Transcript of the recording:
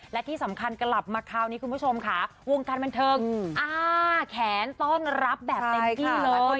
และที่สำคัญกลับมาคราวนี้คุณผู้ชมค่ะวงการบันเทิงอ้าแขนต้อนรับแบบเต็มที่เลย